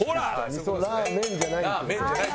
「みそラーメンじゃない」